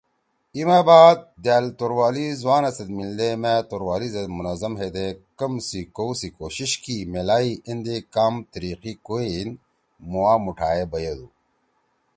ای ما بعد دأل توروالی زُوانا سیت میِلدے مأ توروالی زید منظم ہیدے کم سی کؤ سی کوشش کی میلائی ایندے کام تیِریِقی کُوئین مُوا مُوٹھائے بیدُو۔